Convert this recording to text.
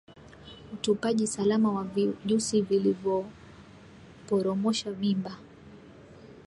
Utupaji salama wa vijusi vilivyoporomosha mimba